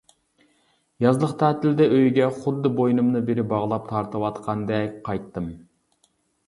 يازلىق تەتىلدە ئۆيگە خۇددى بوينۇمنى بىرى باغلاپ تارتىۋاتقاندەك قايتتىم.